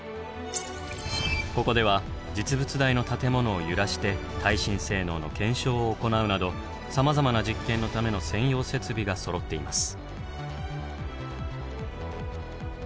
ここでは実物大の建物を揺らして耐震性能の検証を行うなどさまざまな実験のための専用設備がそろっています。